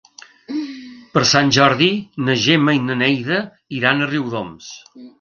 Per Sant Jordi na Gemma i na Neida iran a Riudoms.